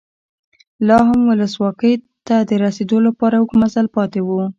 لا هم ولسواکۍ ته د رسېدو لپاره اوږد مزل پاتې و.